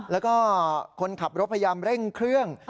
แล้วก็คนขับรถพยายามเร่งเครื่อง